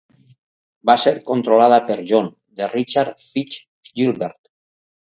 Va ser controlada per John, de Richard Fitz Gilbert.